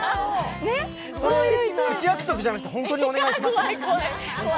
それ口約束じゃてくて本当にお願いします。